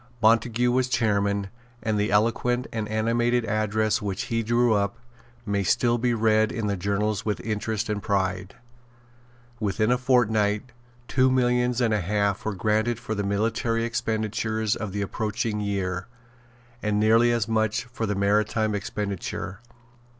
Montague was chairman; and the eloquent and animated address which he drew up may still be read in the journals with interest and pride. Within a fortnight two millions and a half were granted for the military expenditure of the approaching year, and nearly as much for the maritime expenditure.